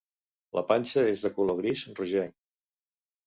La panxa és de color gris rogenc.